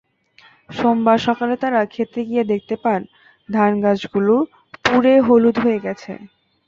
সোমবার সকালে তাঁরা খেতে গিয়ে দেখতে পান, ধানগাছগুলো পুড়ে হলুদ হয়ে গেছে।